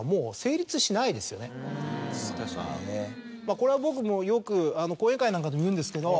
これは僕もよく講演会なんかでも言うんですけど。